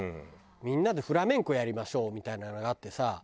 みんなでフラメンコやりましょうみたいなのがあってさ